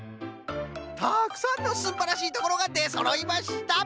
たくさんのすんばらしいところがでそろいました！